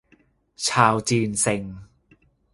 ชาวจีนเซ็ง !